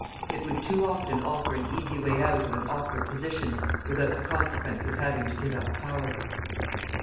It would too often offer an easy way out of an awkward position without the consequence of having to give up power.